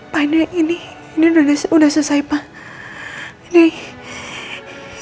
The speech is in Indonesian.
pak ini udah selesai pak